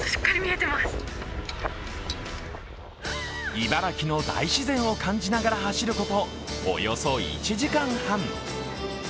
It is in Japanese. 茨城の大自然を感じながら走ることおよそ１時間半。